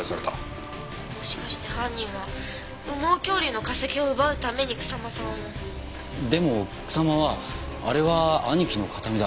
「もしかして犯人は羽毛恐竜の化石を奪うために草間さんを」でも草間は「あれは兄貴の形見だ。